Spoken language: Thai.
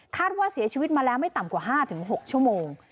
ว่าเสียชีวิตมาแล้วไม่ต่ำกว่า๕๖ชั่วโมง